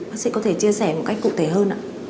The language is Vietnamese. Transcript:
bác sĩ có thể chia sẻ một cách cụ thể hơn ạ